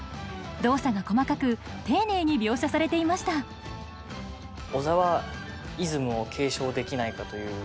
動作が細かく丁寧に描写されていました小沢イズムを継承できないかという。